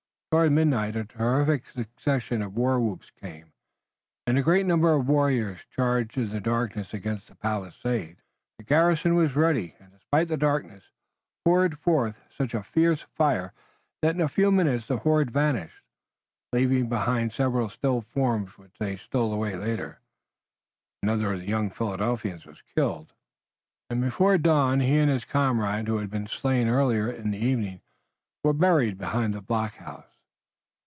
Toward midnight a terrific succession of war whoops came, and a great number of warriors charged in the darkness against the palisade. The garrison was ready, and, despite the darkness, poured forth such a fierce fire that in a few minutes the horde vanished, leaving behind several still forms which they stole away later. Another of the young Philadelphians was killed, and before dawn he and his comrade who had been slain earlier in the evening were buried behind the blockhouse.